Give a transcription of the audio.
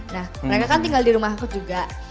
nah mereka kan tinggal di rumahku juga